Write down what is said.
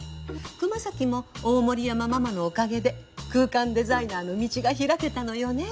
熊咲も大森山ママのおかげで空間デザイナーの道が開けたのよね。